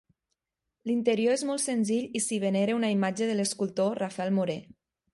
L'interior és molt senzill i s'hi venera una imatge de l'escultor Rafael Morer.